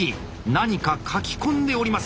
何か書き込んでおります。